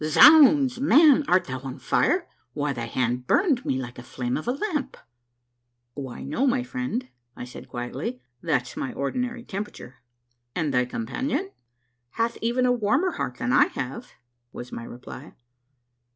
" Zounds ! Man, art thou on fire ? Why, thy hand burned me like the flame of a lamp !"" Why, no, my friend," said I quietly ;" that's my ordinary temperature." " And thy companion ?"" Hath even a warmer heart than I have," was my reply.